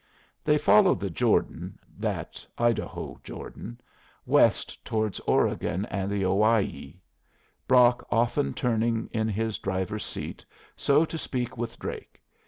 They followed the Jordan (that Idaho Jordan) west towards Oregon and the Owyhee, Brock often turning in his driver's seat so as to speak with Drake.